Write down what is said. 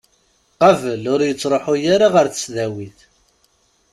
Qabel, ur ittruḥu ara ɣer tesdawit